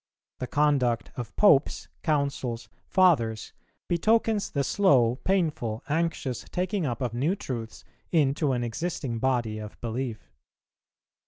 The conduct of Popes, Councils, Fathers, betokens the slow, painful, anxious taking up of new truths into an existing body of belief.